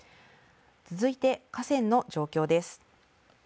続いて河川の状況です。